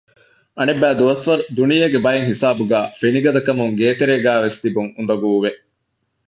އަނެއްބައި ދުވަސްވަރު ދުނިޔޭގެ ބައެއްހިސާބުގައި ފިނިގަދަކަމުން ގޭތެރޭގައިވެސް ތިބުން އުނދަގޫވެ